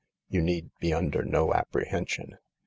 You need be under no apprehension."